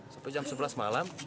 sampai jam sebelas malam